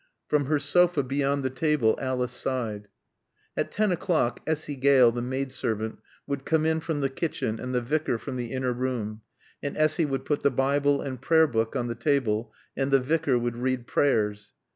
From her sofa beyond the table Alice sighed. At ten o'clock Essy Gale, the maid servant, would come in from the kitchen and the Vicar from the inner room. And Essy would put the Bible and Prayer book on the table, and the Vicar would read Prayers.